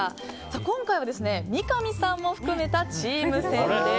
今回は、三上さんも含めたチーム戦です。